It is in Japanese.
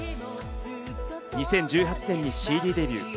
２０１８年にＣＤデビュー。